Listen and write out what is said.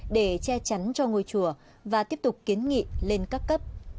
để che chắn cho ngôi chùa và tiếp tục kiến nghị lên các cấp